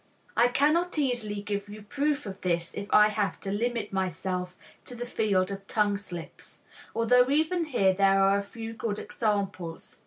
I cannot easily give you proof of this if I have to limit myself to the field of tongue slips, although even here there are a few good examples.